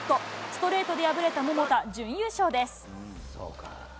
ストレートで敗れた桃田、準優勝です。